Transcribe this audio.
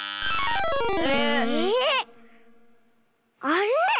あれ⁉